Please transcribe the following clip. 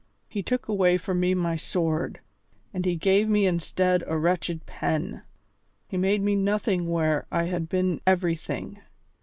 He took away from me my sword and he gave me instead a wretched pen; he made me nothing where I had been everything.